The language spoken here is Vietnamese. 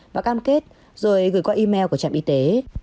và cam kết rồi gửi qua email của trạm y tế